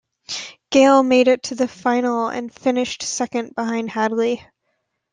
Gayle made it to the final and finished second behind Hadley.